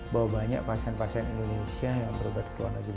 bahwa banyak pasien pasien indonesia yang berobat ke luar negeri